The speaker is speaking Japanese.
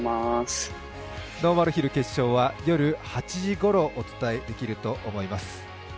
ノーマルヒル決勝は夜８時ごろお伝えできると思います。